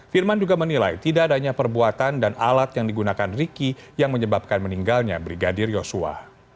firman juga menilai tidak adanya perbuatan dan alat yang digunakan riki yang menyebabkan meninggalnya brigadir yosua